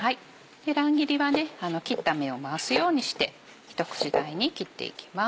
乱切りは切った目を回すようにしてひと口大に切っていきます。